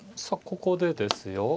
さあここでですよ。